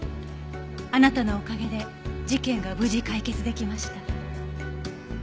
あなたのおかげで事件が無事解決できました。